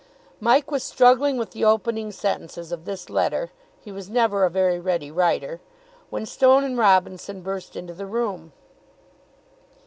Mike was struggling with the opening sentences of this letter he was never a very ready writer when Stone and Robinson burst into the room.